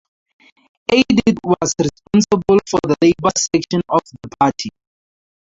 Aidit was responsible for the labor section of the party.